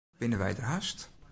Binne wy der hast?